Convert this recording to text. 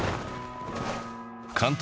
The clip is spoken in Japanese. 監督